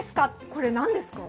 これ何ですか？